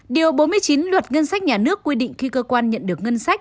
điều bốn mươi chín luật ngân sách nhà nước quy định khi cơ quan nhận được ngân sách